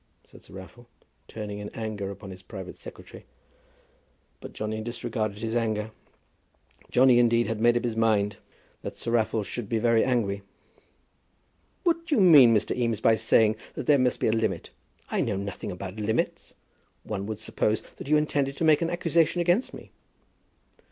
said Sir Raffle, turning in anger upon his private secretary. But Johnny disregarded his anger. Johnny, indeed, had made up his mind that Sir Raffle should be very angry. "What do you mean, Mr. Eames, by saying that there must be a limit? I know nothing about limits. One would suppose that you intended to make an accusation against me."